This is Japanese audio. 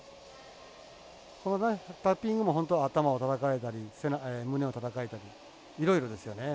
このタッピングも本当頭をたたかれたり胸をたたかれたりいろいろですよね。